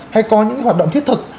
hay có những cái hoạt động thiết thực